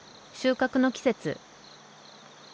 収穫の季節。